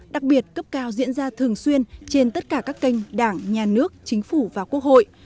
đặc biệt cấp cao diễn ra thường xuyên trên tất cả các kênh đảng nhà nước chính phủ và quốc hội